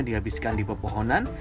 dihabiskan di pepohonan